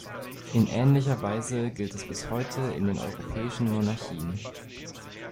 In ähnlicher Weise gilt es bis heute in den europäischen Monarchien.